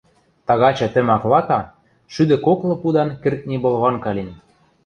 тагачы тӹ маклака шӱдӹ коклы пудан кӹртни болванка лин.